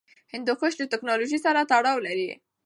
هندوکش له تکنالوژۍ سره تړاو لري.